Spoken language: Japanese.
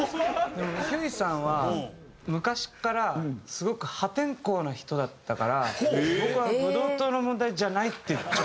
でもひゅーいさんは昔からすごく破天荒な人だったから僕はブドウ糖の問題じゃないって。